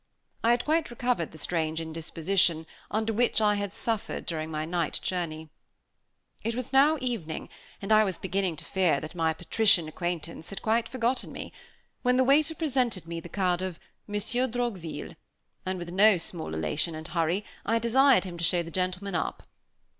I had quite recovered the strange indisposition under which I had suffered during my night journey. It was now evening, and I was beginning to fear that my patrician acquaintance had quite forgotten me, when the waiter presented me the card of "Monsieur Droqville"; and, with no small elation and hurry, I desired him to show the gentleman up.